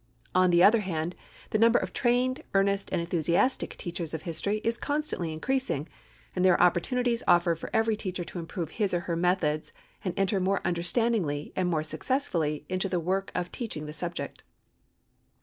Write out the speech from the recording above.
On the other hand, the number of trained, earnest and enthusiastic teachers of history is constantly increasing, and there are opportunities offered for every teacher to improve his or her methods and enter more understandingly and more successfully into the work of teaching the subject.